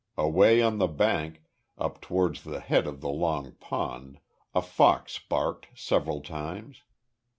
Away on the bank, up towards the head of the long pond, a fox barked several times.